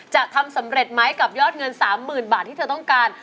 จะทำสำเร็จไหมกับยอดเงิน๓๐๐๐บาทที่เธอต้องการ